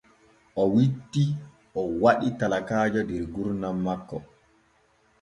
O witti o waɗi talakaajo der gurdam makko.